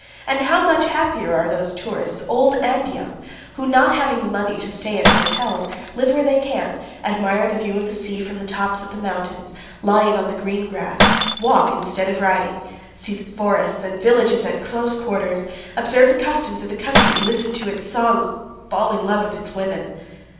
And how much happier are those tourists, old and young, who, not having the money to stay in hotels, live where they can, admire the view of the sea from the tops of the mountains, lying on the green grass, walk instead of riding, see the forests and villages at close quarters, observe the customs of the country, listen to its songs, fall in love with its women.